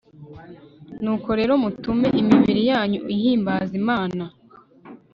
Nuko rero mutume imibiri yanyu ihimbaza Imana